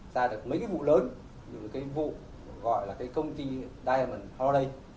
ra được mấy cái vụ lớn những cái vụ gọi là công ty diamond holiday